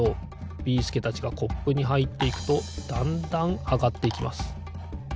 ビーすけたちがコップにはいっていくとだんだんあがっていきます。